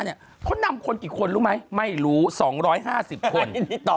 เขานำคนกี่คนรู้ไหมไม่รู้๒๕๐คน